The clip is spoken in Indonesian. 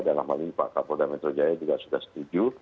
dalam hal ini pak kapolda metro jaya juga sudah setuju